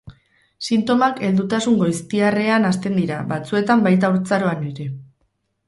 Sintomak heldutasun goiztiarrean hasten dira, batzuetan baita haurtzaroan ere.